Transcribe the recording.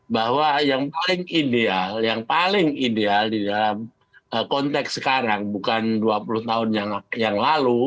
bahwa yang paling ideal yang paling ideal di dalam konteks sekarang bukan dua puluh tahun yang lalu